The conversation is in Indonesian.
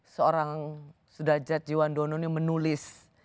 seorang sudhajat jiwan dono ini menulis